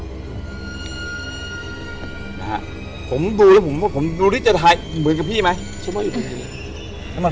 นะฮะผมดูแล้วผมผมดูที่จะถ่ายเหมือนกับพี่ไหมฉันไม่อยู่ตรงนี้